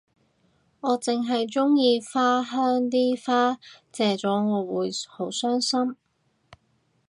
我淨係鍾意花香啲花謝咗我會好傷心